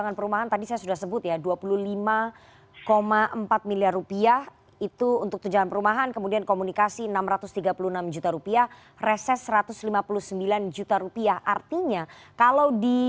kemudian setelah itu baru ada lembaga penilai